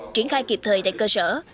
triển khai kịp thời tại cơ sở